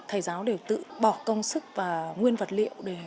thầy giáo đều tự bỏ công sức và nguyên vật liệu